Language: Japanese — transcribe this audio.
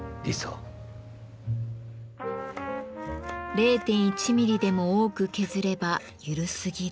０．１ミリでも多く削れば緩すぎる。